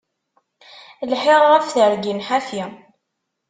Lḥiɣ ɣef tergin ḥafi.